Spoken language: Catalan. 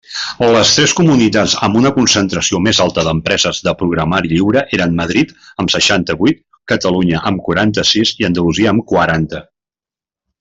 Les tres comunitats amb una concentració més alta d'empreses de programari lliure eren Madrid, amb seixanta-vuit, Catalunya, amb quaranta-sis, i Andalusia, amb quaranta.